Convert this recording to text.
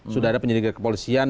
sudah ada penyidik kepolisian